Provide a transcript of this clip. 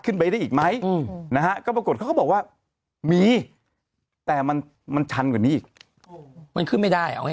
ไปได้อีกไหมนะฮะก็ปรากฏเขาก็บอกว่ามีแต่มันมันชันกว่านี้อีกมันขึ้นไม่ได้เอาให้